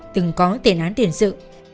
từng có tên án tiền sự